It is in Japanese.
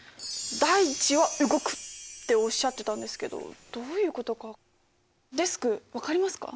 「大地は動く」っておっしゃってたんですけどどういうことかデスク分かりますか？